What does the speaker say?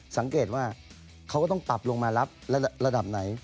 สังเกตว่าเขาก็ต้องปรับลงมารับระดับไหน